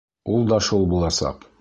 Ул да шул буласаҡ.